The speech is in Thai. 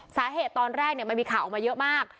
สาเหตุตอนแรกมันมีข่าวออกมาเยอะมาก